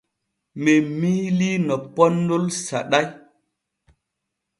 Men miilii no poonnol saɗay.